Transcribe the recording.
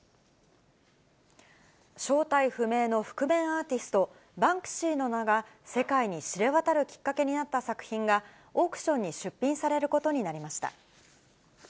正体不明の覆面アーティスト、バンクシーの名が、世界に知れ渡るきっかけになった作品が、オークションに出品されることになりました。